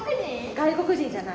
外国人じゃない。